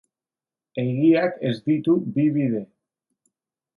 Egiak ez ditu bi bide.